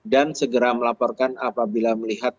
dan segera melaporkan apabila melihat